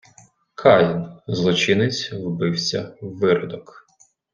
Каїн — злочинець, вбивця, виродок